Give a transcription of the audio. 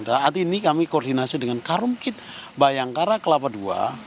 saat ini kami koordinasi dengan karung kit bayangkara kelapa ii